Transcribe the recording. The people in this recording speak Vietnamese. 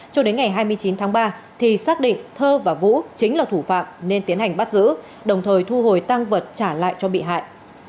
cho đến ngày hai mươi chín tháng ba thì xác định thơ và vũ chính là thủ phạm nên tiến hành bắt giữ đồng thời thu hồi tăng vật trả lại cho bị hại